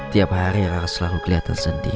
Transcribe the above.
tiap hari rara selalu kelihatan sedih